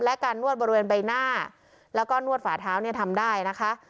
และการนวดบริเวณใบหน้าแล้วก็นวดฝาเท้าเนี่ยทำได้นะคะ